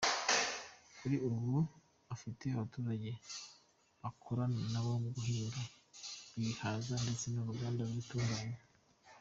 Kuri ubu, afite abaturage akorana na bo bahinga ibihaza ndetse n’Uruganda rubitunganya.